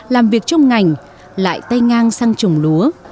làm việc trong ngành lại tay ngang sang trồng lúa